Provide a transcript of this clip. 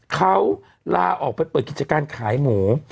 เขาลาออกไปเปิดกิจการขายหมู